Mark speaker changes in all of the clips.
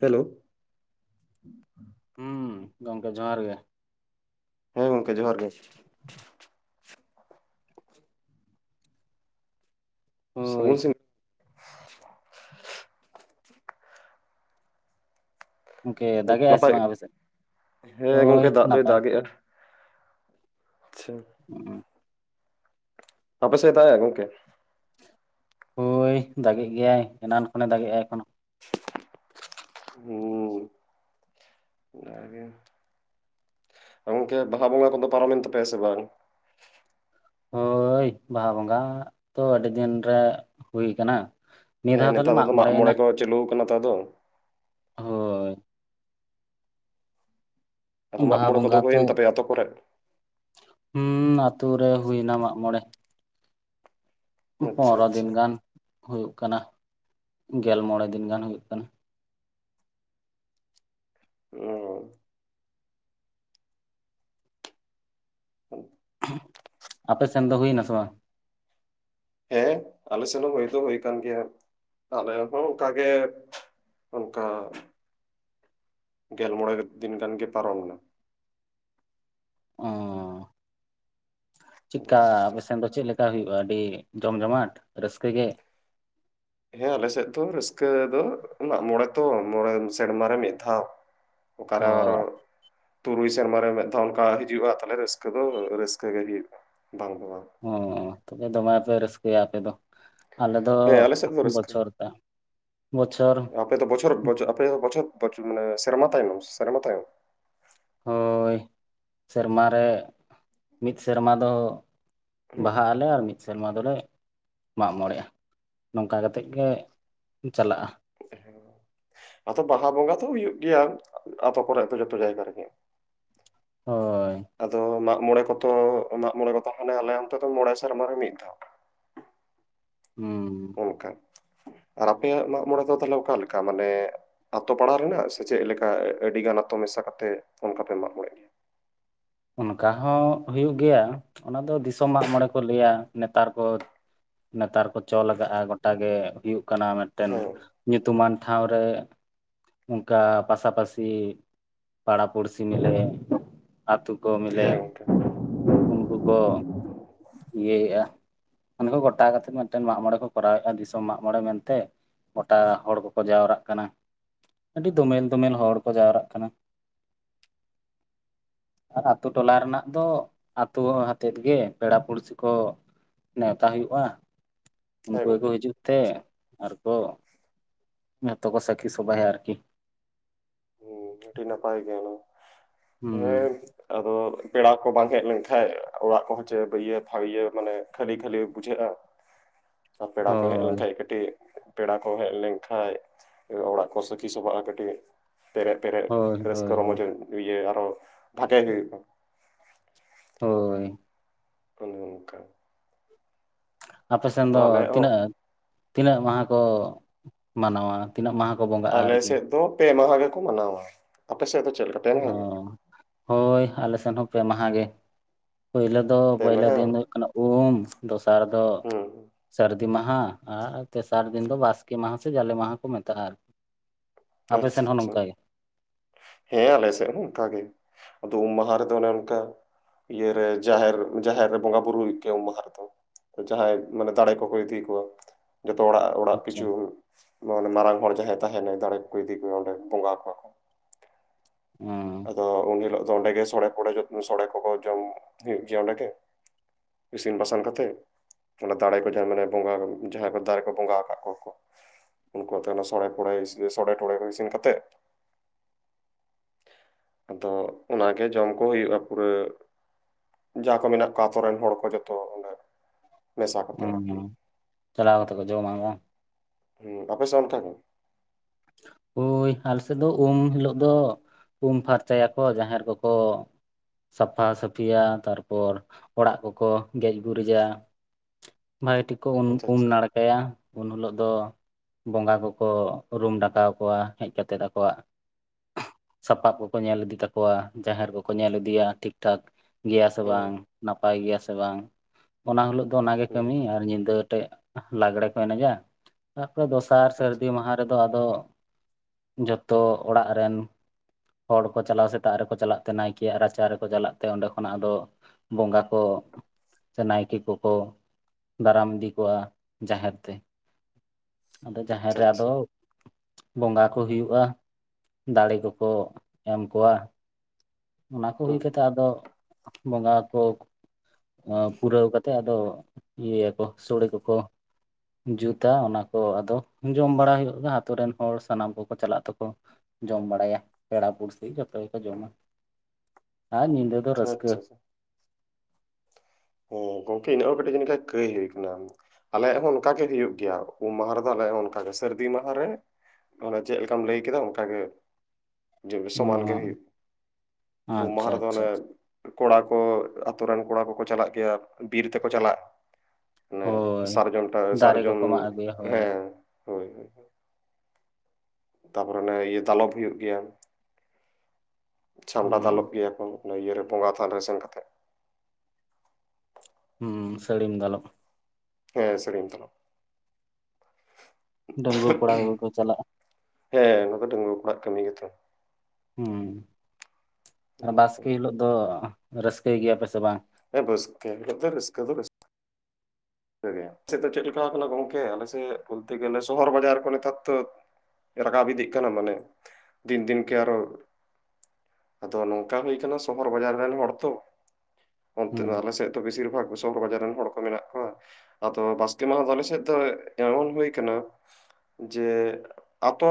Speaker 1: Hello.
Speaker 2: ᱦᱩᱸ ᱜᱚᱝᱠᱮ ᱡᱚᱦᱟᱨ ᱜᱮ᱾
Speaker 1: ᱦᱮᱸ ᱜᱚᱝᱠᱮ ᱡᱚᱦᱟᱨ ᱜᱮ᱾
Speaker 2: ᱦᱳᱭ
Speaker 1: ᱥᱚᱜᱩᱱ ᱥᱤᱝ
Speaker 2: ᱜᱚᱝᱠᱮ ᱫᱟᱜ ᱮᱭᱟᱭ ᱥᱮ
Speaker 1: ᱱᱟᱯᱟᱭ
Speaker 2: ᱵᱟᱝ ᱟᱯᱮ ᱥᱮᱫ ᱫᱚ?
Speaker 1: ᱦᱮᱸ
Speaker 2: ᱦᱟᱭ
Speaker 1: ᱜᱚᱝᱠᱮ ᱫᱟᱜ ᱫᱚᱭ
Speaker 2: ᱱᱟᱯᱟᱭ ᱜᱮ᱾
Speaker 1: ᱫᱟᱜᱮᱜᱼᱟ ᱟᱪᱪᱷᱟ᱾
Speaker 2: [unintelligible]
Speaker 1: ᱟᱯᱮ ᱥᱮᱜ ᱮ ᱫᱟᱜ ᱮᱜᱼᱟ ᱜᱚᱝᱠᱮ?
Speaker 2: ᱦᱚᱭ ᱫᱟᱜᱮᱜ ᱜᱮᱭᱟᱭ ᱮᱱᱟᱱ ᱠᱷᱚᱱᱮ ᱫᱟᱜᱮᱜᱟᱭ ᱮᱠᱷᱚᱱᱚ᱾
Speaker 1: ᱦᱩᱸ ᱚᱱᱟ ᱜᱮ᱾ ᱜᱚᱝᱠᱮ ᱵᱟᱦᱟ ᱵᱚᱸᱜᱟ ᱠᱚᱫᱚ ᱯᱟᱨᱚᱢᱮᱱ ᱛᱟᱯᱮᱭᱟ ᱥᱮ ᱵᱟᱝ?
Speaker 2: ᱦᱚᱭ ᱵᱟᱦᱟ ᱵᱚᱸᱜᱟ ᱛᱚ ᱟᱹᱰᱤ ᱫᱤᱱ ᱨᱮ ᱦᱩᱭ ᱠᱟᱱᱟ᱾ ᱱᱤᱭᱟᱹ
Speaker 1: ᱦᱮᱸ
Speaker 2: ᱫᱷᱟᱣ ᱫᱚᱞᱮ
Speaker 1: ᱱᱮᱛᱟᱨ ᱫᱚ ᱢᱟᱜ
Speaker 2: ᱢᱚᱬᱮᱭᱮᱱᱟ
Speaker 1: ᱢᱚᱲᱮ ᱠᱚ ᱪᱟᱹᱞᱩ ᱠᱟᱱᱟ ᱛᱚ ᱟᱫᱚ᱾
Speaker 2: ᱦᱳᱭ
Speaker 1: ᱟᱫᱚ ᱢᱟᱜ
Speaker 2: ᱵᱟᱦᱟ
Speaker 1: ᱢᱚᱲᱮ ᱠᱚᱫᱚ
Speaker 2: ᱵᱚᱸᱜᱟ ᱛᱚ
Speaker 1: ᱦᱩᱭᱮᱱ ᱛᱟᱯᱮᱭᱟ ᱟᱹᱛᱩ ᱠᱚᱨᱮᱫ?
Speaker 2: ᱦᱩᱸ ᱟᱛᱩ ᱨᱮ ᱦᱩᱭᱮᱱᱟ ᱢᱟᱜ ᱢᱚᱲᱮ᱾
Speaker 1: ᱟᱪᱪᱷᱟ
Speaker 2: ᱯᱚᱱᱨᱚ ᱫᱤᱱ
Speaker 1: ᱟᱪᱪᱷᱟ
Speaker 2: ᱜᱟᱱ᱾ ᱦᱩᱭᱩᱜ ᱠᱟᱱᱟ, ᱜᱮᱞ ᱢᱚᱲᱮ ᱫᱤᱱ ᱜᱟᱱ ᱦᱩᱭᱩᱜ ᱠᱟᱱᱟ᱾
Speaker 1: ᱩᱸ᱾ [unintelligible]
Speaker 2: ᱟᱯᱮ ᱥᱮᱱ ᱫᱚ ᱦᱩᱭᱮᱱᱟ ᱥᱮ ᱵᱟᱝ?
Speaker 1: ᱦᱮᱸ ᱟᱞᱮ ᱥᱮᱱ ᱫᱚ ᱦᱩᱭ ᱫᱚ ᱦᱩᱭ ᱠᱟᱱ ᱜᱮᱭᱟ ᱦᱟᱸᱜ ᱟᱞᱮ ᱦᱚ ᱚᱱᱠᱟ ᱜᱮ ᱚᱱᱠᱟ ᱜᱮᱞ ᱢᱚᱲᱮ ᱫᱤᱱ ᱜᱟᱱ ᱜᱮ ᱯᱟᱨᱚᱢ ᱮᱱᱟ᱾
Speaker 2: ᱚᱸ ᱪᱮᱜᱠᱟ ᱟᱯᱮᱥᱮᱱ ᱫᱚ ᱪᱮᱫ ᱞᱮ ᱞᱮᱠᱟ ᱦᱩᱭᱩᱜᱼᱟ ᱟᱹᱰᱤ ᱡᱚᱢ ᱡᱚᱢᱟᱴ ᱨᱟᱹᱥᱠᱟᱹ ᱜᱮ?
Speaker 1: ᱦᱮᱸ ᱟᱞᱮᱥᱮᱫ ᱫᱚ ᱨᱟᱹᱥᱠᱟᱹ ᱫᱚ ᱢᱟᱜ ᱢᱚᱲᱮ ᱠᱚ ᱢᱚᱲᱮ ᱥᱮᱨᱢᱟ ᱨᱮ ᱢᱤᱫ ᱫᱷᱟᱣ᱾
Speaker 2: ᱚ
Speaker 1: ᱚᱠᱟᱨᱮ ᱟᱨᱚ ᱛᱩᱨᱩᱭ ᱥᱮᱨᱢᱟ ᱨᱮ ᱢᱮᱜ ᱫᱷᱟᱣ ᱚᱱᱠᱟ ᱦᱤᱡᱩᱜᱼᱟ ᱛᱟᱦᱚᱞᱮ ᱨᱟᱹᱥᱠᱟᱹ ᱫᱚ ᱨᱟᱹᱥᱠᱟᱹ ᱜᱮ ᱦᱩᱭᱩᱜᱼᱟ ᱵᱟᱝ ᱫᱚ ᱵᱟᱝ᱾
Speaker 2: ᱚ ᱛᱚᱵᱮ ᱫᱚᱢᱮ ᱯᱮ ᱨᱟᱹᱥᱠᱟᱹᱭᱟ ᱟᱯᱮ ᱫᱚ? ᱟᱞᱮ ᱫᱚ
Speaker 1: ᱦᱮᱸ ᱟᱞᱮ ᱥᱮᱫ ᱫᱚ ᱨᱟᱹᱥᱠᱟᱹ
Speaker 2: ᱵᱚᱪᱷᱚᱨ ᱠᱮ ᱵᱚᱪᱷᱚᱨ
Speaker 1: ᱟᱯᱮ ᱫᱚ ᱵᱚᱪᱷᱚᱨ ᱵᱚᱪᱷᱚᱨ ᱢᱟᱱᱮ ᱥᱮᱨᱢᱟ ᱛᱟᱭᱱᱚᱢ ᱥᱮᱨᱢᱟ ᱛᱟᱭᱚᱢ?
Speaker 2: ᱦᱳᱭ ᱥᱮᱨᱢᱟ ᱨᱮ ᱢᱤᱫ ᱥᱮᱨᱢᱟ ᱫᱚ
Speaker 1: ᱦᱮᱸ
Speaker 2: ᱵᱟᱦᱟᱜ ᱟᱞᱮ ᱟᱨ ᱢᱤᱫ ᱥᱮᱨᱢᱟ ᱫᱚᱞᱮ ᱢᱟᱜ ᱢᱚᱲᱮᱜᱼᱟ᱾ ᱱᱚᱝᱠᱟ ᱠᱟᱛᱮᱜ ᱜᱮ ᱪᱟᱞᱟᱜᱼᱟ᱾
Speaker 1: ᱟᱫᱚ ᱵᱟᱦᱟ ᱵᱚᱸᱜᱟ ᱛᱚ ᱦᱩᱭᱩᱜ ᱜᱮᱭᱟ, ᱟᱛᱳ ᱠᱚᱨᱮ ᱫᱚ ᱡᱚᱛᱚ ᱡᱟᱭᱜᱟ ᱨᱮᱜᱮ᱾
Speaker 2: ᱦᱳᱭ
Speaker 1: ᱟᱫᱚ ᱢᱟᱜ ᱢᱚᱲᱮ ᱠᱚᱛᱚ ᱢᱟᱜ ᱢᱚᱲᱮ ᱠᱚ ᱫᱚ ᱦᱟᱱᱮ ᱟᱞᱮ ᱚᱱᱛᱮ ᱫᱚ ᱢᱚᱲᱮ ᱥᱮᱨᱢᱟ ᱨᱮ ᱢᱤᱫ ᱫᱷᱟᱣ᱾
Speaker 2: ᱦᱩᱸ,
Speaker 1: ᱚᱱᱠᱟ ᱟᱨ ᱟᱯᱮᱭᱟᱜ ᱢᱟᱜ ᱢᱚᱲᱮ ᱫᱚ ᱛᱟᱦᱞᱮ ᱚᱠᱟᱞᱮᱠᱟ ᱢᱟᱱᱮ? ᱟᱛᱳ ᱯᱟᱲᱟ ᱨᱮᱱᱟᱜ ᱥᱮ ᱪᱮᱜ ᱞᱮᱠᱟ ᱟᱹᱰᱤᱜᱟᱱ ᱟᱛᱳ ᱢᱮᱥᱟ ᱠᱟᱛᱮᱜ ᱚᱱᱠᱟ ᱯᱮ ᱢᱟᱜ ᱢᱚᱲᱮᱜ ᱜᱮᱭᱟ?
Speaker 2: ᱚᱱᱠᱟ ᱦᱚᱸ ᱦᱩᱭᱩᱜ ᱜᱮᱭᱟ ᱚᱱᱟ ᱫᱚ ᱫᱤᱥᱚᱢ ᱢᱟᱜ ᱢᱚᱲᱮ ᱠᱚ ᱞᱟᱹᱭᱟ᱾ ᱱᱮᱛᱟᱨ ᱠᱚ ᱱᱮᱛᱟᱨ ᱠᱚ ᱪᱚᱞ ᱟᱠᱟᱜᱼᱟ᱾ ᱜᱚᱴᱟ ᱜᱮ ᱦᱩᱭᱩᱜ ᱠᱟᱱᱟ ᱢᱮᱜᱴᱮᱱ
Speaker 1: ᱦᱮᱸ
Speaker 2: ᱧᱩᱛᱩᱢᱟᱱ ᱴᱷᱟᱶ ᱨᱮ ᱚᱱᱠᱟ ᱯᱟᱥᱟᱯᱟᱥᱤ ᱯᱟᱲᱟ ᱯᱩᱲᱥᱤ ᱢᱤᱞᱮ᱾ ᱟᱛᱩ ᱠᱚ ᱢᱤᱞᱮ
Speaker 1: ᱦᱮᱸ ᱜᱚᱝᱠᱮ
Speaker 2: ᱩᱱᱠᱩ ᱠᱚ ᱤᱭᱟᱹᱭᱮᱜᱼᱟ᱾ ᱢᱟᱱᱮ ᱠᱚ ᱜᱚᱴᱟ ᱠᱟᱛᱮᱫ ᱢᱮᱜᱴᱮᱱ ᱢᱟᱜ ᱢᱚᱲᱮ ᱠᱚᱨᱟᱣᱮᱜᱼᱟ ᱫᱤᱥᱚᱢ ᱢᱟᱜ ᱢᱚᱲᱮ ᱢᱮᱱᱛᱮ᱾ ᱜᱚᱴᱟ ᱦᱚᱲ ᱠᱚᱠᱚ ᱡᱟᱣᱨᱟᱜ ᱠᱟᱱᱟ, ᱟᱹᱰᱤ ᱫᱚᱢᱮᱞ ᱫᱚᱢᱮᱞ ᱦᱚᱲ ᱠᱚ ᱡᱟᱣᱨᱟᱜ ᱠᱟᱱᱟ᱾ ᱟᱨ ᱟᱛᱳ ᱴᱚᱞᱟ ᱨᱮᱱᱟᱜ ᱫᱚ ᱟᱛᱳ ᱦᱚᱲ ᱟᱛᱮᱫ ᱜᱮ ᱯᱮᱲᱟ ᱯᱩᱲᱥᱤ ᱠᱚ ᱱᱮᱣᱛᱟ ᱦᱩᱭᱩᱜᱼᱟ,
Speaker 1: ᱦᱮᱸ
Speaker 2: ᱩᱱᱠᱩ ᱜᱮᱠᱚ
Speaker 1: ᱜᱚᱝᱠᱮ
Speaker 2: ᱦᱤᱡᱩᱜ ᱛᱮ
Speaker 1: ᱟᱪᱪᱷᱟ
Speaker 2: ᱟᱨᱠᱚ ᱡᱷᱚᱛᱚᱠᱚ ᱥᱟᱹᱠᱷᱤ ᱥᱚᱵᱷᱟᱭᱟ ᱟᱨᱠᱤ᱾
Speaker 1: ᱩᱸ ᱟᱰᱤ ᱱᱟᱯᱟᱭ ᱜᱮ ᱚᱱᱟ᱾
Speaker 2: ᱦᱩᱸ
Speaker 1: ᱟᱫᱚ ᱯᱮᱲᱟ ᱠᱚ ᱵᱟᱝ ᱦᱮᱡ ᱞᱮᱱᱠᱷᱟᱡ ᱚᱲᱟᱜ ᱠᱚᱦᱚ ᱪᱮ ᱠᱚ ᱤᱭᱟᱹ ᱢᱟᱱᱮ ᱠᱷᱟᱹᱞᱤ ᱠᱷᱟᱹᱞᱤ ᱜᱮ ᱵᱩᱡᱷᱟᱹᱜᱼᱟ᱾ ᱟᱨ ᱯᱮᱲᱟ ᱠᱚ ᱦᱮᱡ
Speaker 2: ᱦᱳᱭ
Speaker 1: ᱞᱮᱱᱷᱠᱟᱡ ᱠᱟᱹᱴᱤᱡ ᱯᱮᱲᱟ ᱠᱚ ᱦᱮᱡ ᱞᱮᱱᱠᱷᱟᱡ ᱚᱲᱟᱜ ᱠᱚ ᱥᱟᱹᱠᱷᱤ ᱥᱚᱵᱷᱟᱜᱼᱟ ᱠᱟᱹᱴᱤᱡ᱾ ᱯᱮᱨᱮᱡ ᱯᱮᱨᱮᱡ
Speaker 2: ᱦᱳᱭ
Speaker 1: ᱨᱟᱹᱥᱠᱟᱹ
Speaker 2: ᱦᱳᱭ
Speaker 1: ᱨᱚᱢᱚᱡ ᱤᱭᱟᱹ ᱟᱨᱚ ᱵᱷᱟᱜᱮ ᱦᱩᱭᱩᱜᱼᱟ᱾
Speaker 2: ᱦᱳᱭ᱾
Speaker 1: ᱚᱱᱮ ᱚᱱᱠᱟ,
Speaker 2: ᱟᱯᱮ ᱥᱮᱱ
Speaker 1: ᱟᱫᱚ
Speaker 2: ᱫᱚ
Speaker 1: ᱟᱞᱮ ᱦᱚᱸ
Speaker 2: ᱛᱤᱱᱟᱹᱜ ᱛᱤᱱᱟᱹᱜ ᱢᱟᱦᱟ ᱠᱚ? ᱢᱟᱱᱟᱣᱟ, ᱛᱤᱱᱟᱹᱜ ᱢᱟᱦᱟ ᱠᱚ ᱵᱚᱸᱜᱟᱜᱼᱟ
Speaker 1: ᱟᱞᱮ
Speaker 2: ᱟᱨᱠᱤ?
Speaker 1: ᱥᱮᱫ ᱫᱚ ᱯᱮ ᱢᱟᱦᱟ ᱜᱮᱠᱚ ᱢᱟᱱᱟᱣᱟ ᱟᱯᱮ ᱥᱮᱫ ᱫᱚ ᱪᱮᱫ ᱞᱮᱠᱟ? ᱯᱮ ᱢᱟᱦᱟ ᱜᱮ
Speaker 2: ᱚ ᱦᱳᱭ, ᱟᱞᱮ ᱥᱮᱱ ᱦᱚᱸ ᱯᱮ ᱢᱟᱦᱟ ᱜᱮ᱾ ᱯᱳᱭᱞᱳ ᱫᱚ
Speaker 1: ᱯᱮ
Speaker 2: ᱯᱳᱭᱞᱳ
Speaker 1: ᱢᱟᱦᱟ
Speaker 2: ᱫᱤᱱ ᱫᱚ ᱦᱩᱭᱩᱜ ᱠᱟᱱᱟ ᱩᱢ, ᱫᱚᱥᱟᱨ ᱫᱚ
Speaker 1: ᱦᱩᱸ
Speaker 2: ᱥᱟᱹᱨᱫᱤ ᱢᱟᱦᱟ, ᱟᱨ ᱛᱮᱥᱟᱨ ᱫᱤᱱ ᱫᱚ ᱵᱟᱥᱠᱮ ᱢᱟᱦᱟ ᱥᱮ ᱡᱟᱞᱮ ᱢᱟᱦᱟ ᱠᱚ ᱢᱮᱛᱟᱜᱼᱟ ᱟᱨᱠᱤ᱾ ᱟᱯᱮ
Speaker 1: ᱟᱪᱪᱷᱟ
Speaker 2: ᱥᱮᱱ ᱦᱚᱸ
Speaker 1: ᱟᱪᱪᱷᱟ᱾
Speaker 2: ᱱᱚᱝᱠᱟ ᱜᱮ
Speaker 1: ᱦᱮᱸ ᱟᱞᱮ ᱥᱮᱫ ᱦᱚᱸ ᱚᱱᱠᱟᱜᱮ᱾ ᱟᱫᱚ ᱩᱢ ᱢᱟᱦᱟ ᱨᱮᱫᱚ ᱚᱱᱮ ᱚᱱᱠᱟ ᱤᱭᱟᱹᱨᱮ ᱡᱟᱦᱮᱨ ᱡᱟᱦᱮᱨ ᱨᱮ ᱵᱚᱸᱜᱟ ᱵᱩᱨᱩ ᱦᱩᱭᱩᱜ ᱜᱮᱭᱟ ᱩᱢ ᱢᱟᱦᱟ ᱨᱮ ᱫᱚ᱾ ᱡᱟᱦᱟᱸᱭ ᱢᱟᱱᱮ ᱫᱟᱲᱮ ᱠᱚᱠᱚ ᱤᱫᱤ ᱠᱚᱣᱟ ᱡᱚᱛᱚ ᱦᱚᱲᱟᱜ ᱚᱲᱟᱜ
Speaker 2: ᱟᱪᱪᱷᱟ
Speaker 1: ᱯᱤᱪᱷᱩ ᱢᱮ ᱢᱟᱨᱟᱝ ᱦᱚᱲ ᱡᱟᱦᱟᱸᱭ ᱛᱟᱦᱮᱱᱟᱭ ᱫᱟᱨᱮ ᱠᱚ ᱤᱫᱤ ᱠᱚᱭᱟ ᱚᱸᱰᱮ ᱵᱚᱸᱜᱟ ᱠᱚᱣᱟ ᱠᱚ
Speaker 2: ᱚᱻ
Speaker 1: ᱟᱫᱚ ᱩᱱ ᱦᱤᱞᱳᱜ ᱫᱚ ᱚᱸᱰᱮ ᱜᱮ ᱥᱚᱲᱮ ᱯᱷᱚᱲᱮ ᱡᱚ ᱡᱚᱢ ᱦᱩᱭᱩᱜ ᱜᱮᱭᱟ ᱚᱸᱰᱮ ᱜᱮ᱾ ᱤᱥᱤᱱ ᱵᱟᱥᱟᱝ ᱠᱟᱛᱮᱫ᱾ ᱚᱸᱵᱮ ᱫᱟᱲᱮ ᱠᱚ ᱡᱟᱦᱟᱸ ᱢᱟᱱᱮ ᱵᱚᱸᱜᱟ ᱡᱟᱦᱟᱸᱭ ᱠᱚ ᱫᱟᱨᱮ ᱠᱚ ᱵᱚᱸᱜᱟ ᱟᱠᱟᱫ ᱠᱚᱣᱟ ᱠᱚ᱾ ᱩᱱᱠᱩ ᱟᱛᱮ ᱥᱚᱲᱮ ᱯᱷᱚᱲᱮ ᱥᱚᱲᱮᱴᱚᱲᱮ ᱤᱥᱤᱱ ᱠᱟᱛᱮᱫ᱾ ᱟᱫᱚ ᱚᱱᱟᱜᱮ ᱡᱚᱢᱠᱚ ᱦᱩᱭᱩᱜᱼᱟ ᱯᱩᱨᱟᱹᱼᱼ ᱡᱟᱦᱟᱸ ᱠᱚ ᱢᱮᱱᱟᱜ ᱠᱚᱣᱟ ᱟᱛᱳ ᱨᱮᱱ ᱦᱚᱲ ᱠᱚ ᱡᱚᱛᱚ ᱚᱸᱰᱮ
Speaker 2: ᱦᱩᱸ ᱦᱩᱸ ᱪᱟᱞᱟᱣ ᱠᱟᱛᱮ ᱠᱚ ᱡᱚᱢᱟ ᱵᱟᱝ,
Speaker 1: ᱦᱮᱸ ᱟᱯᱮᱥᱮᱫ ᱚᱱᱛᱮ ᱦᱚᱸ
Speaker 2: ᱦᱳᱭ ᱟᱞᱮ ᱥᱮᱫ ᱫᱚ ᱩᱢ ᱦᱤᱞᱳᱜ ᱫᱚ, ᱩᱢ ᱯᱷᱟᱨᱪᱟᱭᱟᱠᱚ ᱡᱟᱦᱮᱨ ᱠᱚᱠᱚ᱾ ᱥᱟᱯᱷᱟ ᱥᱟᱹᱯᱷᱤᱭᱟ ᱛᱟᱨᱯᱚᱨ ᱚᱲᱟᱜ ᱠᱚᱠᱚ ᱜᱮᱡ ᱜᱩᱨᱤᱡᱟ᱾ ᱵᱷᱟᱜᱮ ᱴᱷᱤᱠ ᱠᱚ
Speaker 1: ᱟᱪᱪᱷᱟ
Speaker 2: ᱩᱢ
Speaker 1: ᱟᱪᱪᱷᱟ
Speaker 2: ᱱᱟᱲᱠᱟᱭᱟ ᱩᱱ ᱦᱤᱞᱳᱜ ᱫᱚ ᱵᱚᱸᱜᱟ ᱠᱚᱠᱚᱼᱼ ᱨᱩᱢ ᱰᱟᱠᱟᱣ ᱠᱚᱣᱟ ᱦᱮᱡ ᱠᱟᱛᱮᱫ ᱟᱠᱚᱣᱟᱜᱼᱼ ᱥᱟᱯᱟᱯ ᱠᱚᱠᱚ ᱧᱮᱞ ᱤᱫᱤ ᱛᱟᱠᱚᱣᱟ ᱡᱟᱦᱮᱨ ᱠᱚᱠᱚ ᱧᱮᱞ ᱤᱫᱤᱭᱟ ᱴᱷᱤᱠᱴᱷᱟᱠᱼᱼ ᱜᱮᱭᱟ ᱥᱮ
Speaker 1: ᱚ
Speaker 2: ᱵᱟᱝ ᱱᱟᱯᱟᱭ ᱜᱮᱭᱟ ᱥᱮ ᱵᱟᱝ ᱚᱱᱟ ᱦᱤᱞᱳᱜ ᱫᱚ ᱚᱱᱟᱜᱮ
Speaker 1: ᱦᱩᱸ
Speaker 2: ᱠᱟᱹᱢᱤ ᱟᱨ ᱧᱤᱫᱟᱹ ᱴᱮᱡᱼᱼ ᱞᱟᱸᱟᱜᱽᱲᱮ ᱠᱚ ᱮᱱᱮᱡᱟ ᱛᱟᱨᱯᱚᱨᱮ ᱫᱚᱥᱟᱨ
Speaker 1: ᱟᱪᱪᱷᱟ
Speaker 2: ᱥᱟᱹᱨᱫᱤ ᱢᱟᱦᱟ ᱨᱮᱫᱚ ᱟᱫᱚ, ᱡᱷᱚᱛᱚ ᱚᱲᱟᱜ ᱨᱮᱱᱼᱼ ᱦᱚᱲ ᱠᱚ ᱪᱟᱞᱟᱣ ᱥᱮᱛᱟᱜ ᱨᱮᱠᱚ ᱪᱟᱞᱟᱜ ᱛᱮ ᱱᱟᱭᱠᱮᱭᱟᱜ ᱨᱟᱪᱟ ᱨᱮᱠᱚ ᱪᱟᱞᱟᱜ ᱛᱮ ᱚᱸᱰᱮ ᱠᱷᱚᱱᱟᱜ ᱟᱫᱚᱼᱼ ᱵᱚᱸᱜᱟ ᱠᱚᱼᱼ ᱥᱮ ᱱᱟᱭᱠᱮ ᱠᱚᱠᱚ ᱫᱟᱨᱟᱢ ᱤᱫᱤ ᱠᱚᱣᱟ ᱡᱟᱦᱮᱨ ᱛᱮ᱾ ᱟᱫᱚ ᱡᱟᱦᱮᱨ
Speaker 1: ᱟᱪᱪᱷᱟ
Speaker 2: ᱨᱮ ᱟᱫᱚᱼᱼ
Speaker 1: ᱟᱪᱪᱷᱟ
Speaker 2: ᱵᱚᱸᱜᱟ ᱠᱚ ᱦᱩᱭᱩᱜᱼᱟ ᱫᱟᱲᱮ ᱠᱚᱠᱚ ᱮᱢ ᱠᱚᱣᱟ᱾ ᱚᱱᱟ ᱠᱚ ᱦᱩᱭ
Speaker 1: ᱦᱩᱸ
Speaker 2: ᱠᱟᱛᱮ ᱟᱫᱚ ᱵᱚᱸᱜᱟ ᱠᱚᱼᱼ ᱯᱩᱨᱟᱹᱣ ᱠᱟᱛᱮᱜ ᱟᱫᱚ ᱤᱭᱟᱹᱭᱟᱠᱚ ᱥᱚᱲᱮ ᱠᱚᱠᱚᱼᱼ ᱡᱩᱛᱟ ᱚᱱᱟ ᱠᱚ ᱟᱫᱚ ᱡᱚᱢ ᱵᱟᱲᱟ ᱦᱩᱭᱩᱜ-ᱟ ᱟᱛᱩ ᱨᱮᱱ ᱦᱚᱲ ᱥᱟᱱᱟᱢ ᱠᱚᱠᱚ ᱪᱟᱞᱟᱜ ᱛᱟᱠᱚ᱾ ᱡᱚᱢ ᱵᱟᱲᱟᱭᱟ ᱯᱮᱲᱟ ᱯᱩᱥᱤ ᱡᱚᱛᱚ ᱜᱮᱠᱚ ᱡᱚᱢᱟ ᱟᱨ ᱧᱤᱫᱟᱹᱼᱼ
Speaker 1: ᱟᱪᱪᱷᱟ ᱟᱪᱪᱷᱟ᱾ ᱦᱮᱸ ᱜᱚᱝᱠᱮ ᱤᱱᱟᱹᱜ ᱦᱚᱸ ᱠᱟᱹᱴᱤᱡ ᱡᱟᱹᱱᱤᱡ ᱠᱷᱟᱡ ᱠᱟᱹᱭ ᱦᱩᱭ ᱠᱟᱱᱟ᱾ ᱟᱞᱮᱭᱟᱜ ᱦᱚᱸ ᱚᱱᱠᱟᱜᱮ ᱦᱩᱭᱩᱜ ᱜᱮᱭᱟ ᱩᱢ ᱢᱟᱦᱟ ᱨᱮᱫᱚ ᱟᱞᱮᱭᱟᱜ ᱦᱚᱸ ᱚᱱᱠᱟᱜᱮ ᱥᱟᱹᱨᱫᱤ ᱢᱟᱦᱟ ᱨᱮᱼᱼ ᱚᱱᱮ ᱪᱮᱫ ᱞᱮᱠᱟᱢ ᱞᱟᱹᱭ ᱠᱮᱫᱟ ᱚᱱᱠᱟᱜᱮᱼᱼ [unintelligible] ᱥᱚᱢᱟᱱ ᱜᱮ
Speaker 2: ᱦᱚᱸ
Speaker 1: ᱦᱩᱭᱩᱜ ᱩᱢ ᱢᱚᱦᱟ
Speaker 2: ᱟᱪᱪᱷᱟ
Speaker 1: ᱨᱮᱫᱚ
Speaker 2: ᱟᱪᱪᱷᱟ
Speaker 1: ᱚᱱᱮ
Speaker 2: ᱟᱪᱪᱷᱟ
Speaker 1: ᱠᱚᱲᱟ ᱠᱚ ᱟᱹᱛᱩ ᱨᱮᱱ ᱠᱚᱲᱟ ᱠᱚᱠᱚ ᱪᱟᱞᱟᱜ ᱜᱮᱭᱟ ᱵᱤᱨ ᱛᱮᱠᱚ ᱪᱟᱞᱟᱜ, ᱦᱟᱱᱮ
Speaker 2: ᱦᱳᱭ
Speaker 1: ᱥᱟᱨᱡᱚᱢ ᱴᱟ
Speaker 2: ᱫᱟᱨᱮ
Speaker 1: ᱥᱟᱨᱡᱚᱢ
Speaker 2: ᱠᱚᱠᱚ ᱢᱟᱜ ᱟᱹᱜᱩᱭᱟ ᱦᱳᱭ
Speaker 1: ᱦᱮᱸ ᱦᱳᱭ᱾ ᱛᱟᱯᱚᱨᱮ ᱚᱱᱮ ᱤᱭᱟᱹ ᱫᱟᱞᱚᱵ ᱦᱩᱭᱩᱜ ᱜᱮᱭᱟ᱾ ᱪᱷᱟᱢᱰᱟ ᱫᱟᱞᱚᱵ
Speaker 2: ᱦᱩᱸ
Speaker 1: ᱜᱮᱭᱟ ᱠᱚ ᱚᱱᱟ ᱤᱭᱟᱹᱨᱮ ᱵᱚᱸᱜᱟ ᱛᱷᱟᱱ ᱨᱮ ᱥᱮᱱ ᱠᱟᱛᱮᱫ᱾
Speaker 2: ᱦᱩᱸ ᱥᱟᱹᱲᱤᱢ ᱫᱟᱞᱚᱵ᱾
Speaker 1: ᱦᱮᱸ ᱥᱟᱹᱲᱤᱢ ᱫᱟᱞᱚᱵ᱾
Speaker 2: ᱰᱟᱹᱸᱜᱩᱣᱟᱹ ᱠᱚᱲᱟ ᱠᱚᱠᱚ ᱪᱟᱞᱟᱜᱼᱟ᱾
Speaker 1: ᱦᱮᱸ ᱱᱚᱶᱟ ᱫᱚ ᱰᱟᱹᱸᱜᱩᱣᱟᱹ ᱠᱚᱱᱟᱜ ᱠᱟᱹᱢᱤ ᱜᱮᱛᱚ᱾
Speaker 2: ᱦᱩᱸ ᱟᱨ ᱵᱟᱥᱠᱮ ᱦᱮᱞᱳᱜ ᱫᱚ ᱨᱟᱹᱥᱠᱟᱹᱭ ᱜᱮᱭᱟ ᱯᱮ ᱥᱮ ᱵᱟᱝ?
Speaker 1: ᱵᱟᱥᱠᱮ ᱦᱮᱞᱳᱜ ᱫᱚ ᱨᱟᱹᱥᱠᱟᱹ ᱫᱚ ᱨᱟᱹᱥᱼᱼ ᱠᱟᱹ ᱜᱮ ᱟᱞᱮ ᱥᱮᱫ ᱫᱚ ᱪᱮᱫ ᱞᱮᱠᱟ ᱠᱟᱱᱟ ᱜᱚᱝᱠᱮ ᱟᱞᱮ ᱥᱮᱜ ᱵᱚᱞᱛᱮ ᱜᱮᱞᱮ ᱥᱚᱦᱚᱨ ᱵᱟᱡᱟᱨ ᱠᱚ ᱱᱮᱛᱟᱨ ᱛᱚ ᱨᱟᱠᱟᱵ ᱤᱫᱤᱜ ᱠᱟᱱᱟ ᱢᱟᱱᱮ ᱫᱤᱱ ᱫᱤᱱᱠᱮ ᱟᱨᱚ ᱟᱫᱚ ᱱᱚᱝᱠᱟ ᱦᱳᱭ ᱠᱟᱱᱟ ᱥᱚᱦᱚᱨ ᱵᱟᱡᱟᱨ ᱨᱮᱱ ᱦᱚᱲ ᱛᱚᱼᱼ ᱚᱱᱛᱮ
Speaker 2: ᱦᱩᱸ
Speaker 1: ᱟᱞᱮ ᱥᱮᱫ ᱫᱚ ᱵᱤᱥᱤᱨ ᱵᱷᱟᱜᱽ ᱥᱚᱦᱚᱨ ᱵᱟᱡᱟᱨ ᱨᱮᱱ ᱦᱚᱲ ᱠᱚ ᱢᱮᱱᱟᱜ ᱠᱚᱣᱟᱼᱼ ᱟᱫᱚ ᱵᱟᱥᱠᱮ ᱢᱟᱦᱟ ᱫᱚ ᱟᱞᱮ ᱥᱮᱫ ᱫᱚ ᱮᱢᱚᱱ ᱦᱩᱭ ᱠᱟᱱᱟ ᱡᱮᱼᱼ ᱟᱛᱚ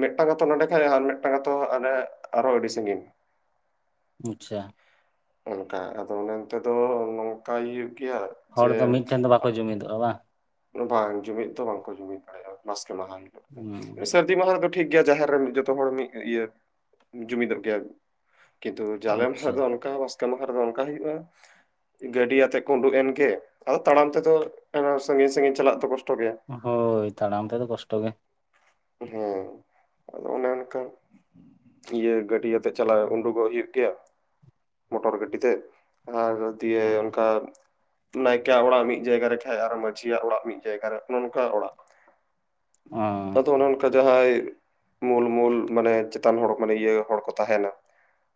Speaker 1: ᱢᱮᱫᱴᱟᱝ ᱟᱛᱚ ᱱᱚᱸᱰᱮ ᱠᱷᱟᱡ ᱟᱨ ᱢᱮᱫᱴᱟᱝ ᱟᱛᱚ ᱢᱟᱱᱮ ᱟᱨ ᱦᱚᱸ ᱟᱹᱰᱤ ᱥᱟᱜᱤᱧ᱾
Speaker 2: ᱟᱪᱪᱷᱟ᱾
Speaker 1: ᱚᱱᱠᱟ ᱟᱫᱚ ᱚᱱᱮ ᱚᱱᱛᱮ ᱫᱚ ᱱᱚᱝᱠᱟ ᱦᱩᱭᱩᱜ ᱜᱮᱭᱟ
Speaker 2: ᱦᱚᱲ
Speaker 1: ᱡᱮ
Speaker 2: ᱫᱚ ᱢᱤᱫᱴᱷᱮᱱ ᱫᱚ ᱵᱟᱠᱚ ᱡᱩᱢᱤᱫᱚᱜᱼᱟ ᱵᱟᱝ?
Speaker 1: ᱵᱟᱝ ᱡᱩᱢᱤᱫ ᱫᱚ ᱵᱟᱝ ᱠᱚ ᱡᱩᱢᱤᱫ ᱫᱟᱲᱮᱭᱟᱜᱼᱟ, ᱵᱟᱥᱠᱮ ᱢᱟᱦᱟ ᱦᱤᱞᱳᱜ ᱫᱚ᱾
Speaker 2: ᱦᱩᱸ
Speaker 1: ᱥᱟᱹᱨᱫᱤ ᱢᱟᱦᱟ ᱨᱮᱫᱚ ᱴᱷᱤᱠ ᱜᱮᱭᱟ, ᱡᱟᱦᱮᱨ ᱨᱮ ᱡᱷᱚᱛᱚ ᱦᱚᱲ ᱢᱤᱫ ᱤᱭᱟᱹ ᱡᱩᱢᱤᱫᱚᱜ ᱜᱮᱭᱟ᱾ ᱠᱤᱱᱛᱩ ᱡᱟᱞᱮ ᱢᱟᱦᱟ
Speaker 2: ᱟᱪᱪᱷᱟ
Speaker 1: ᱫᱚ ᱚᱱᱠᱟ‌ ᱵᱟᱥ ᱠᱮ ᱢᱟᱦᱟ ᱨᱮ ᱫᱚ ᱚᱱᱠᱟ ᱦᱩᱭᱩᱜᱼᱟ, ᱜᱟᱹᱰᱤ ᱟᱛᱮᱜ ᱠᱚ ᱩᱸᱰᱩᱜ ᱮᱱ ᱜᱮ ᱾ ᱟᱫᱚ ᱛᱟᱲᱟᱢ ᱛᱮᱫᱚ [unintelligible] ᱥᱟᱺᱜᱤᱧ ᱥᱟᱺᱜᱤᱧ ᱪᱟᱞᱟᱜ ᱫᱚ ᱠᱚᱥᱴᱚ ᱜᱮᱭᱟ᱾
Speaker 2: ᱦᱳᱭ, ᱛᱟᱲᱟᱢ ᱛᱮ ᱫᱚ ᱠᱚᱥᱴᱚ ᱜᱮ᱾
Speaker 1: ᱦᱮᱸ, ᱟᱫᱚ ᱚᱱᱮ ᱚᱱᱠᱟ᱾ ᱤᱭᱟᱹ ᱜᱟᱹᱰᱤᱭᱟᱛᱮᱫ ᱪᱟᱞᱟᱣ ᱩᱸᱰᱩᱠᱚᱜ ᱦᱩᱭᱩᱜ ᱜᱮᱭᱟ, ᱢᱚᱴᱚᱨ ᱜᱟᱹᱰᱤ ᱛᱮ᱾ ᱟᱨ ᱫᱤᱭᱮ
Speaker 2: ᱦᱩᱸ
Speaker 1: ᱚᱱᱠᱟ ᱱᱟᱭᱠᱮᱹᱭᱟᱜ ᱚᱲᱟᱜ ᱢᱤᱫ ᱡᱟᱭᱜᱟ ᱨᱮ ᱠᱷᱟᱡ ᱟᱨᱚ ᱢᱟᱺᱡᱷᱤᱭᱟᱜ ᱚᱲᱟᱜ ᱢᱤᱫ ᱡᱟᱭᱜᱟ ᱨᱮ, ᱚᱱᱮ ᱚᱱᱠᱟ ᱚᱲᱟᱜ᱾
Speaker 2: ᱚ
Speaker 1: ᱟᱫᱚ ᱚᱱᱮ ᱚᱱᱠᱟ ᱡᱟᱦᱟᱸᱭ ᱢᱩᱞ ᱢᱩᱞ ᱢᱟᱱᱮ ᱪᱮᱛᱟᱱ ᱦᱚᱲ ᱢᱟᱱᱮ ᱤᱭᱟᱹ ᱦᱚᱲ ᱠᱚ ᱛᱟᱦᱮᱱᱟ᱾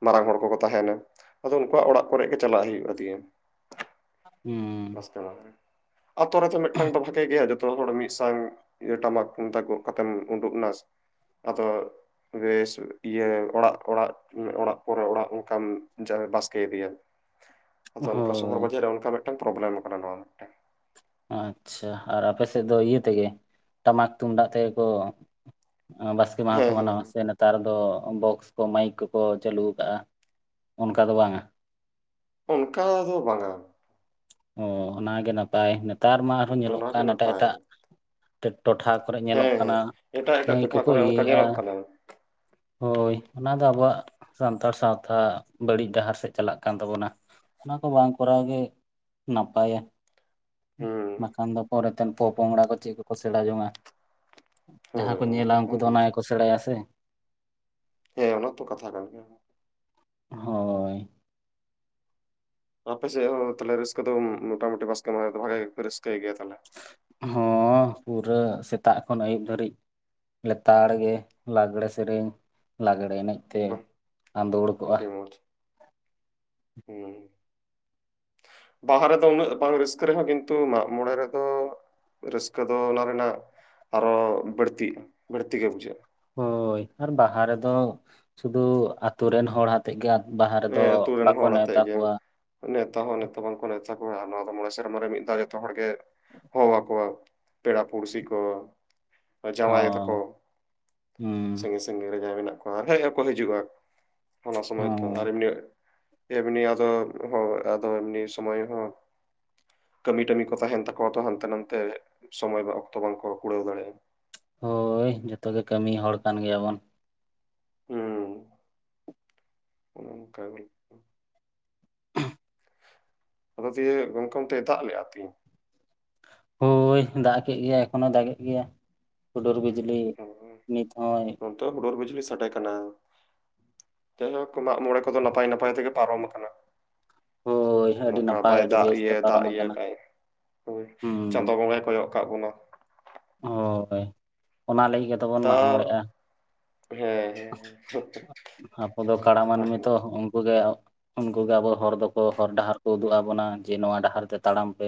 Speaker 1: ᱢᱟᱨᱟᱝ ᱦᱚᱲ ᱠᱚᱠᱚ ᱛᱟᱦᱮᱱᱟ᱾ ᱟᱫᱚ ᱤᱭᱟᱹ ᱩᱱᱠᱩᱣᱟᱜ ᱚᱲᱟᱜ ᱠᱚᱨᱮ ᱜᱮ ᱪᱟᱞᱟᱜ ᱦᱩᱭᱩᱜᱼᱟ ᱫᱤᱭᱮ᱾
Speaker 2: ᱦᱩᱸ
Speaker 1: ᱵᱟᱥᱠᱮ ᱢᱟᱦᱟᱸ ᱨᱮ, ᱟᱛᱳ ᱨᱮᱫᱚ ᱢᱤᱫᱴᱟᱝ ᱫᱚ ᱵᱷᱟᱜᱮ ᱜᱮᱭᱟ ᱡᱚᱛᱚ ᱦᱚᱲ ᱢᱤᱫ ᱥᱟᱝ ᱤᱭᱟᱹ ᱴᱟᱢᱟᱠ ᱛᱩᱢᱫᱟᱜ ᱜᱚᱜ ᱠᱟᱛᱮᱢ ᱩᱸᱰᱩᱜ ᱮᱱᱟ, ᱟᱫᱚ ᱵᱮᱹᱥ ᱤᱭᱟᱹ ᱚᱲᱟᱜ ᱚᱲᱟᱜ, ᱚᱲᱟᱜ ᱯᱚᱨᱮ ᱚᱲᱟᱜ ᱚᱱᱠᱟᱢ ᱵᱟᱥᱠᱮ ᱤᱫᱤᱭᱟ᱾ ᱟᱫᱚ ᱚᱱᱠᱟ ᱥᱚᱦᱚᱨ
Speaker 2: ᱦᱳᱭ
Speaker 1: ᱵᱟᱡᱟᱨ ᱨᱮ ᱚᱱᱠᱟ ᱢᱤᱫᱴᱟᱝ ᱯᱨᱚᱵᱞᱮᱢ ᱠᱟᱱᱟ, ᱱᱚᱣᱟ ᱢᱤᱫᱴᱟᱝ ᱾
Speaker 2: ᱟᱪᱪᱷᱟ ᱟᱨ ᱟᱯᱮ ᱥᱮᱫ ᱫᱚ ᱤᱭᱟᱹ ᱛᱮᱜᱮ, ᱴᱟᱢᱟᱠ ᱛᱩᱢᱫᱟᱜ ᱛᱮᱜᱮ ᱠᱚ ᱵᱟᱥᱠᱮ ᱢᱟᱦᱟᱸ ᱠᱚ
Speaker 1: ᱦᱮᱸ ᱦᱮᱸ
Speaker 2: ᱢᱟᱱᱟᱣᱟ
Speaker 1: ᱦᱮᱸ
Speaker 2: ᱥᱮ ᱱᱮᱛᱟᱨ ᱫᱚ ᱵᱚᱠᱥ ᱠᱚ ᱢᱟᱹᱭᱤᱠ ᱠᱚᱠᱚ ᱪᱟᱹᱞᱩᱣ ᱠᱟᱜᱼᱟ, ᱚᱱᱠᱟ ᱫᱚ ᱵᱟᱝᱟ᱾
Speaker 1: ᱚᱱᱠᱟ ᱫᱚ ᱵᱟᱝᱟ᱾
Speaker 2: ᱚ ᱚᱱᱟᱜᱮ ᱱᱟᱯᱟᱭ, ᱱᱮᱛᱟᱨ ᱢᱟ ᱟᱨᱦᱚᱸ ᱧᱮᱞᱚᱜ
Speaker 1: ᱚᱱᱟᱜᱮ
Speaker 2: ᱠᱟᱱ ᱮᱴᱟᱜ
Speaker 1: ᱱᱟᱯᱟᱭ
Speaker 2: ᱮᱴᱟᱜ ᱴᱚᱴᱷᱟ ᱠᱚᱨᱮ ᱧᱮᱞᱚᱜ
Speaker 1: ᱦᱮᱸ
Speaker 2: ᱠᱟᱱᱟ
Speaker 1: ᱮᱴᱟᱜ ᱮᱴᱟᱜ
Speaker 2: ᱢᱟᱹᱭᱤᱠ
Speaker 1: ᱴᱚᱴᱷᱟ
Speaker 2: ᱠᱚᱠᱚ
Speaker 1: ᱠᱚᱨᱮ ᱚᱱᱠᱟ
Speaker 2: ᱤᱭᱟᱹᱭᱮᱜᱼᱟ
Speaker 1: ᱧᱮᱞᱚᱜ ᱠᱟᱱᱟ
Speaker 2: ᱦᱳᱭ, ᱚᱱᱟ ᱫᱚ ᱟᱵᱚᱣᱟᱜ ᱥᱟᱱᱛᱟᱲ ᱥᱟᱶᱛᱟ ᱵᱟᱹᱲᱤᱡ ᱰᱟᱦᱟᱨ ᱥᱮᱫ ᱪᱟᱞᱟᱜ ᱠᱟᱱ ᱛᱟᱵᱚᱱᱟ᱾ ᱚᱱᱟ ᱠᱚ ᱵᱟᱝ ᱠᱚᱨᱟᱣ ᱜᱮ ᱱᱟᱯᱟᱭᱟ᱾
Speaker 1: ᱦᱩᱸ
Speaker 2: ᱵᱟᱠᱷᱟᱱ ᱫᱚ ᱯᱚᱨᱮᱛᱮᱱ ᱯᱚᱼᱯᱳᱝᱲᱟ ᱠᱚ ᱪᱮᱫ ᱠᱚᱠᱚ ᱥᱮᱬᱟ ᱡᱚᱝᱟ? ᱡᱟᱦᱟᱸ
Speaker 1: ᱦᱳᱭ
Speaker 2: ᱠᱚ
Speaker 1: ᱚᱱᱟ
Speaker 2: ᱧᱮᱞᱟ,
Speaker 1: ᱦᱩᱭᱩᱜ
Speaker 2: ᱩᱱᱠᱩ
Speaker 1: ᱠᱟᱱᱟ
Speaker 2: ᱫᱚ ᱚᱱᱟ
Speaker 1: ᱜᱚᱞᱯᱷᱚ
Speaker 2: ᱜᱮ ᱠᱚ ᱥᱮᱬᱟᱭᱟ ᱥᱮ᱾
Speaker 1: ᱦᱮᱸ ᱚᱱᱟ ᱦᱚᱛᱚ ᱠᱟᱛᱷᱟ ᱠᱟᱱ ᱜᱮᱭᱟ᱾
Speaker 2: ᱦᱳᱭ᱾
Speaker 1: ᱟᱯᱮ ᱥᱮᱫ ᱦᱚᱸ ᱛᱟᱞᱦᱮ ᱨᱟᱹᱥᱠᱟᱹ ᱫᱚ ᱢᱚᱴᱟᱢᱩᱴᱤ ᱵᱟᱥᱠᱮ ᱢᱟᱦᱟᱸ ᱨᱮ ᱫᱚ ᱵᱷᱟᱜᱮ ᱜᱮ ᱨᱟᱹᱥᱠᱟᱹᱭ ᱜᱮᱭᱟ ᱛᱟᱞᱦᱮ?
Speaker 2: ᱦᱚᱸᱻ ᱯᱩᱨᱟᱹ ᱥᱮᱛᱟᱜ ᱠᱷᱚᱱ ᱟᱹᱭᱩᱵ ᱫᱷᱟᱹᱨᱤᱡ᱾ ᱞᱮᱛᱟᱲ ᱜᱮ ᱞᱟᱜᱽᱲᱮ ᱥᱮᱨᱮᱧ, ᱞᱟᱜᱽᱲᱮ ᱮᱱᱮᱡ ᱛᱮ
Speaker 1: ᱵᱟᱦ
Speaker 2: ᱟᱸᱫᱳᱲ ᱠᱚᱜᱼᱟ
Speaker 1: ᱟᱹᱰᱤ ᱢᱚᱡᱽ, ᱦᱩᱸ ᱾ ᱵᱟᱦᱟ ᱨᱮᱫᱚ ᱩᱱᱟᱹᱜ ᱵᱟᱝ ᱨᱟᱹᱥᱠᱟᱹ ᱨᱮᱦᱚᱸ ᱠᱤᱱᱛᱩ ᱢᱟᱜ ᱢᱚᱬᱮ ᱨᱮᱫᱚ ᱨᱟᱹᱥᱠᱟᱹ ᱫᱚ ᱚᱱᱟ ᱨᱮᱱᱟᱜ ᱟᱨᱚ ᱵᱟᱹᱲᱛᱤᱜᱼᱟ, ᱵᱟᱹᱲᱛᱤ ᱜᱮ ᱵᱩᱡᱷᱟᱹᱜᱼᱟ᱾
Speaker 2: ᱦᱳᱭ ᱟᱨ ᱵᱟᱦᱟ ᱨᱮᱫᱚ ᱥᱩᱫᱩ ᱟᱹᱛᱳ ᱨᱮᱱ ᱦᱚᱲ ᱟᱛᱮᱫ ᱜᱮ ᱵᱟᱦᱟ ᱨᱮᱫᱚ
Speaker 1: ᱦᱮᱸ ᱟᱹᱛᱩ ᱨᱮᱱ
Speaker 2: ᱵᱟᱠᱚ
Speaker 1: ᱦᱚᱲ ᱟᱛᱮᱜ
Speaker 2: ᱱᱮᱶᱛᱟ
Speaker 1: ᱜᱮ
Speaker 2: ᱠᱚᱣᱟ᱾
Speaker 1: ᱱᱮᱶᱛᱟ ᱦᱚᱸ ᱱᱤᱛᱚᱜ ᱵᱟᱝ ᱠᱚ ᱱᱮᱶᱛᱟ ᱠᱚᱣᱟ ᱟᱨ ᱱᱚᱣᱟ ᱫᱚ ᱢᱚᱸᱬᱮ ᱥᱮᱨᱢᱟ ᱨᱮ ᱢᱤᱫ ᱫᱷᱟᱣ ᱡᱚᱛᱚ ᱦᱚᱲ ᱜᱮ ᱦᱚᱦᱚ ᱟᱠᱚᱣᱟ, ᱯᱮᱲᱟ ᱯᱩᱲᱥᱤ ᱠᱚ᱾ ᱡᱟᱶᱟᱭ
Speaker 2: ᱦᱚᱸ
Speaker 1: ᱛᱟᱠᱚ ᱥᱮ
Speaker 2: ᱦᱩᱸ
Speaker 1: ᱥᱟᱸᱜᱤᱧ ᱨᱮ ᱡᱟᱸᱦᱟᱭ ᱢᱮᱱᱟᱜ ᱠᱚᱣᱟ, [unintelligible] ᱠᱚ ᱦᱤᱡᱩᱜᱼᱟ ᱚᱱᱟ ᱥᱚᱢᱚᱭ
Speaker 2: ᱦᱚᱸ
Speaker 1: ᱫᱚ ᱟᱨ ᱮᱢᱱᱤ ᱛᱮᱢᱱᱤ ᱟᱫᱚ ᱦᱚ ᱟᱫᱚ ᱮᱢᱱᱤ ᱥᱚᱢᱚᱭ ᱦᱚᱸ ᱠᱟᱹᱢᱤ ᱴᱟᱹᱢᱤ ᱠᱚ ᱛᱟᱦᱮᱱ ᱛᱟᱠᱚᱣᱟ ᱛᱚ ᱦᱟᱱᱛᱮ ᱱᱟᱱᱛᱮ᱾ ᱥᱚᱢᱚᱭ ᱵᱟᱝ ᱚᱠᱛᱚ ᱵᱟᱝ ᱠᱚ ᱠᱩᱲᱟᱹᱣ ᱫᱟᱲᱮᱭᱟᱜᱼᱟ᱾
Speaker 2: ᱦᱳᱭ ᱡᱚᱛᱚ ᱜᱮ ᱠᱟᱹᱢᱤ ᱦᱚᱲ ᱠᱟᱱ ᱜᱮᱭᱟᱵᱳᱱ᱾
Speaker 1: ᱦᱩᱸ ᱚᱱᱠᱟ [unintelligible] ᱟᱫᱚ ᱫᱤᱭᱮ ᱜᱚᱝᱠᱮ ᱚᱱᱛᱮᱭ ᱫᱟᱜ ᱞᱮᱜᱼᱟ ᱛᱤᱦᱤᱧ?
Speaker 2: ᱦᱳᱭ ᱫᱟᱜ ᱠᱮᱜ ᱜᱮᱭᱟᱭ ᱮᱠᱷᱚᱱᱚ ᱫᱟᱜ ᱮᱜ ᱜᱮᱭᱟᱭ᱾ ᱦᱩᱰᱩᱨ ᱵᱤᱡᱽᱞᱤ ᱱᱤᱛ ᱦᱚᱸᱭ
Speaker 1: ᱱᱚᱱᱛᱮ ᱦᱚ ᱦᱩᱰᱩᱨ ᱵᱤᱡᱽᱞᱤ ᱥᱟᱰᱮ ᱠᱟᱱᱟ᱾ ᱱᱚᱱᱛᱮ ᱦᱚ ᱢᱟᱜ ᱢᱚᱲᱮ ᱠᱚᱫᱚ ᱱᱟᱯᱟᱭ ᱱᱟᱯᱟᱭ ᱛᱮᱜᱮ ᱯᱟᱨᱚᱢ ᱟᱠᱟᱱᱟ᱾
Speaker 2: ᱦᱳᱭ ᱟᱹᱰᱤ
Speaker 1: ᱱᱚᱝᱠᱟ
Speaker 2: ᱱᱟᱯᱟᱭ
Speaker 1: ᱵᱟᱭ
Speaker 2: ᱟᱹᱰᱤ
Speaker 1: ᱫᱟᱜ
Speaker 2: ᱵᱮᱥᱛᱮ
Speaker 1: ᱤᱭᱟᱹ ᱫᱟᱜ
Speaker 2: ᱯᱟᱨᱚᱢ
Speaker 1: ᱤᱭᱟᱹ
Speaker 2: ᱟᱠᱟᱱᱟ
Speaker 1: ᱠᱟᱜᱟᱭ᱾ ᱦᱳᱭ, ᱪᱟᱸᱫᱚ
Speaker 2: ᱦᱩᱸ
Speaker 1: ᱵᱚᱸᱜᱟᱭ ᱠᱚᱭᱚᱜ ᱠᱟᱜ ᱵᱚᱱᱟ᱾
Speaker 2: ᱦᱳᱭ, ᱚᱱᱟ ᱞᱟᱹᱜᱤᱫ ᱜᱮᱛᱚ ᱵᱚᱱ
Speaker 1: ᱛᱟ
Speaker 2: ᱢᱟᱜ ᱢᱚᱲᱮᱜᱼᱟ᱾
Speaker 1: ᱦᱮᱸ ᱦᱮᱸ
Speaker 2: ᱟᱵᱚ ᱫᱚ
Speaker 1: ᱚᱱᱟ
Speaker 2: ᱠᱟᱲᱟ
Speaker 1: ᱠᱟᱛᱷᱟ
Speaker 2: ᱢᱟᱹᱱᱢᱤ
Speaker 1: ᱠᱟᱱ
Speaker 2: ᱛᱚ,
Speaker 1: ᱜᱮᱭᱟ
Speaker 2: ᱩᱱᱠᱩ ᱜᱮ ᱩᱱᱠᱩ ᱜᱮ ᱟᱵᱚ ᱦᱚᱨ ᱫᱚᱠᱚ ᱦᱚᱨ ᱰᱟᱦᱟᱨ ᱠᱚ ᱩᱫᱩᱜ ᱟᱵᱚᱱᱟ᱾ ᱡᱮ ᱱᱚᱣᱟ ᱰᱟᱦᱟᱨ ᱛᱮ ᱛᱟᱲᱟᱢ ᱯᱮ᱾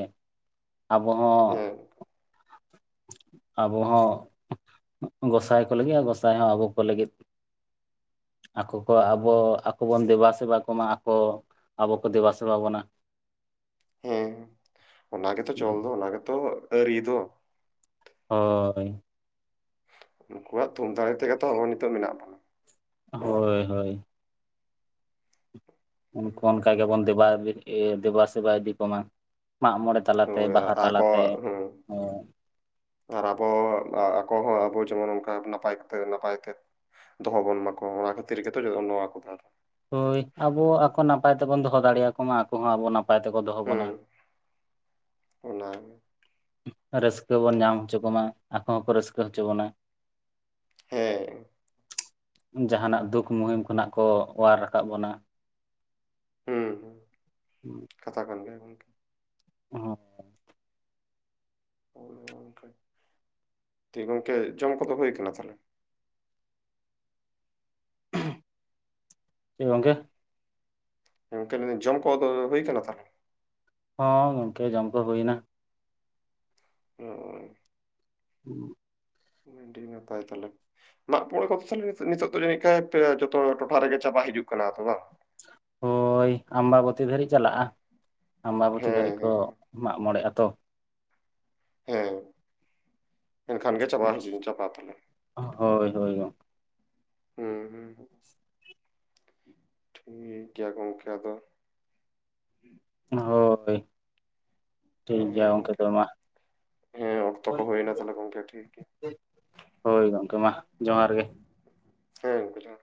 Speaker 2: ᱟᱵᱚ ᱦᱚᱸ
Speaker 1: ᱦᱮᱸ
Speaker 2: ᱟᱵᱚ ᱦᱚᱸ ᱜᱚᱸᱥᱟᱭ ᱠᱚ ᱞᱟᱹᱜᱤᱫ, ᱟᱨ ᱜᱚᱸᱥᱟᱭ ᱦᱚᱸ ᱟᱵᱚ ᱠᱚ ᱞᱟᱹᱜᱤᱫ᱾ ᱟᱠᱚ ᱠᱚ ᱟᱵᱚ ᱟᱠᱚ ᱵᱚᱱ ᱫᱮᱵᱟ ᱥᱮᱵᱟ ᱠᱚᱢᱟ ᱟᱠᱚ ᱟᱵᱚ ᱠᱚ ᱫᱮᱵᱟ ᱥᱮᱵᱟ ᱵᱚᱱᱟ᱾
Speaker 1: ᱦᱮᱸ ᱚᱱᱟ ᱜᱮᱛᱚ ᱪᱚᱞ ᱫᱚ ᱚᱱᱟ ᱜᱮᱛᱚ ᱟᱹᱨᱤ ᱫᱚ᱾
Speaker 2: ᱦᱳᱭ,
Speaker 1: ᱩᱱᱠᱩᱣᱟᱜ ᱛᱷᱩᱢ ᱫᱟᱲᱮ ᱛᱮᱜᱮ ᱛᱚ ᱟᱵᱚ ᱱᱤᱛᱚᱜ ᱢᱮᱱᱟᱜ ᱵᱚᱱᱟ᱾
Speaker 2: ᱦᱳᱭ ᱦᱳᱭ, ᱩᱱᱠᱩ ᱚᱱᱠᱟ ᱜᱮᱵᱚᱱ ᱫᱮᱵᱟ ᱤᱭᱟᱹ ᱫᱮᱵᱟ ᱥᱮᱵᱟ ᱤᱫᱤ ᱠᱚᱢᱟ ᱢᱟᱜ ᱢᱚᱲᱮ ᱛᱟᱞᱟ ᱛᱮ
Speaker 1: ᱦᱳᱭ
Speaker 2: ᱵᱟᱦᱟ ᱛᱟᱞᱟ
Speaker 1: ᱟᱠᱚ
Speaker 2: ᱛᱮ᱾
Speaker 1: ᱦᱮᱸ ᱟᱨ ᱟᱵᱚ ᱟᱠᱚ ᱦᱚᱸ ᱟᱵᱚ ᱡᱮᱢᱚᱱ ᱚᱱᱠᱟ ᱱᱟᱯᱟᱭᱠᱟᱛᱮ ᱱᱟᱯᱟᱭ ᱛᱮ, ᱫᱚᱦᱚ ᱵᱚᱱ ᱢᱟᱠᱚ ᱚᱱᱟ ᱠᱷᱟᱛᱤᱨ ᱜᱮᱛᱚ ᱱᱚᱣᱟ ᱠᱚ ᱠᱟᱛᱷᱟᱴᱟᱜ᱾
Speaker 2: ᱦᱳᱭ ᱟᱵᱚ ᱟᱠᱚ ᱱᱟᱯᱟᱭ ᱛᱮᱵᱚᱱ ᱫᱚᱦᱚ ᱫᱟᱲᱮᱭᱟᱠᱚ ᱢᱟ, ᱟᱠᱚ ᱦᱚᱸ ᱟᱵᱚ ᱱᱟᱯᱟᱭ ᱛᱮᱠᱚ ᱫᱚᱦᱚ ᱵᱚᱱᱟ᱾
Speaker 1: ᱦᱮᱸ ᱚᱱᱟ ᱜᱮ᱾
Speaker 2: ᱨᱟᱹᱥᱠᱟᱹ ᱵᱚᱱ ᱧᱟᱢ ᱦᱚᱪᱚ ᱠᱚᱢᱟ, ᱟᱠᱚ ᱦᱚᱸᱠᱚ ᱨᱟᱹᱥᱠᱟᱹ ᱦᱚᱪᱚ ᱵᱚᱱᱟ᱾
Speaker 1: ᱦᱮᱸ
Speaker 2: ᱡᱟᱦᱟᱱᱟᱜ ᱫᱩᱠᱷ ᱢᱩᱦᱤᱢ ᱠᱷᱚᱱᱟᱜ ᱠᱚ ᱚ‌ᱣᱟᱨ ᱨᱟᱠᱟᱵ ᱵᱚᱱᱟ᱾
Speaker 1: ᱦᱩᱸ ᱦᱩᱸ᱾
Speaker 2: ᱦᱩᱸ,
Speaker 1: ᱠᱟᱛᱷᱟ ᱠᱟᱱ ᱜᱮᱭᱟ ᱜᱚᱝᱠᱮ᱾
Speaker 2: ᱦᱳᱭ, [unintelligible]
Speaker 1: ᱦᱳᱭ ᱜᱚᱝᱠᱮ᱾ ᱫᱤᱭᱮ ᱜᱚᱝᱠᱮ ᱡᱚᱢ ᱠᱚᱫᱚ ᱦᱩᱭ ᱠᱟᱱᱟ ᱛᱟᱞᱦᱮ?
Speaker 2: ᱪᱮᱜ ᱜᱚᱝᱠᱮ?
Speaker 1: ᱜᱚᱝᱠᱮ ᱞᱟᱹᱭᱫᱟᱹᱧ ᱡᱚᱢ ᱠᱚ ᱫᱚ ᱦᱩᱭ ᱠᱟᱱᱟ ᱛᱟᱦᱞᱮ?
Speaker 2: ᱦᱚᱸ ᱜᱚᱝᱠᱮ ᱡᱚᱢ ᱠᱚ ᱦᱩᱭᱱᱟ᱾
Speaker 1: ᱚᱻ
Speaker 2: ᱴ [unintelligible]
Speaker 1: ᱟᱰᱤ ᱱᱟᱯᱟᱭ ᱛᱟᱦᱞᱮ᱾ ᱢᱟᱜ ᱢᱚᱲᱮ ᱠᱚᱫᱚ ᱛᱟᱦᱞᱮ ᱱᱤᱛᱚᱜ ᱫᱚ ᱡᱟᱹᱱᱤᱡ ᱠᱷᱟᱱ ᱡᱚᱛᱚ ᱴᱚᱴᱷᱟ ᱨᱮᱜᱮ ᱪᱟᱵᱟ ᱦᱤᱡᱩᱜ ᱠᱟᱱᱟ ᱛᱚ ᱵᱟᱝ?
Speaker 2: ᱦᱳᱭ ᱟᱢᱵᱟᱵᱚᱛᱤ ᱫᱷᱟᱹᱨᱤᱡ ᱪᱟᱞᱟᱜᱼᱟ᱾ ᱟᱢᱵᱟᱵᱚᱛᱤ ᱫᱷᱟᱹᱨᱤᱡ
Speaker 1: ᱦᱮᱸ
Speaker 2: ᱠᱚ
Speaker 1: ᱦᱮᱸ
Speaker 2: ᱢᱟᱜ ᱢᱚᱲᱮᱜᱼᱟ ᱛᱚ᱾
Speaker 1: ᱦᱮᱸ, ᱮᱱᱠᱷᱟᱱ ᱜᱮ ᱪᱟᱵᱟ ᱦᱤᱡᱩᱜ ᱪᱟᱵᱟᱜ ᱛᱟᱞᱦᱮ
Speaker 2: ᱦᱳᱭ ᱦᱳᱭ ᱜᱚᱝᱠᱮ,
Speaker 1: ᱦᱮᱸ ᱦᱮᱸ ᱴᱷᱤᱠ ᱜᱮᱭᱟ ᱜᱚᱝᱠᱮ ᱟᱫᱚ
Speaker 2: ᱦᱳᱭ ᱴᱷᱤᱠ ᱜᱮᱭᱟ
Speaker 1: ᱦᱮᱸ
Speaker 2: ᱜᱚᱢᱠᱮ
Speaker 1: ᱜᱚᱝᱠᱮ
Speaker 2: ᱛᱚᱵᱮ ᱢᱟ᱾
Speaker 1: ᱦᱮᱸ ᱚᱠᱛᱚ ᱠᱚ ᱦᱩᱭᱱᱟ ᱛᱟᱦᱚᱞᱮ ᱜᱚᱝᱠᱮ ᱴᱷᱤᱠ ᱜᱮᱭᱟ
Speaker 2: ᱦᱳᱭ ᱜᱚᱝᱠᱮ ᱢᱟ ᱡᱚᱦᱟᱨ ᱜᱮ᱾
Speaker 1: ᱦᱳᱭ [unintelligible]